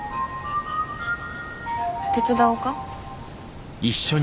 手伝おか？